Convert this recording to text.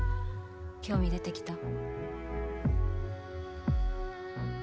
興味出てきた？